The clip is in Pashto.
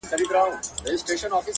ماجبیني د مهدي حسن آهنګ یم!!